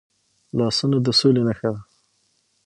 لاسونه د سولې نښه ده